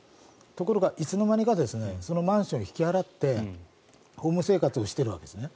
ところが、いつの間にかそのマンションを引き払ってホーム生活をしているわけですね。